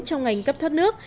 trong ngành cấp thoát nước